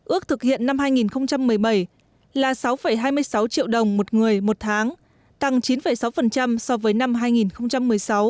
ước thực hiện năm hai nghìn một mươi bảy là sáu hai mươi sáu triệu đồng một người một tháng tăng chín sáu so với năm hai nghìn một mươi sáu